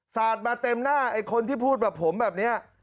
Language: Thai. สาดมาเต็มหน้าไอ้คนที่พูดแบบผมแบบนี้